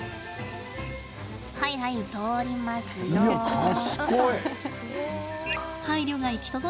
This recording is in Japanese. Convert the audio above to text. はいはい通りますよっと。